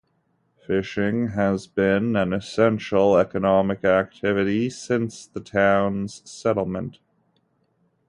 Fishing has been an essential economic activity since the town's settlement.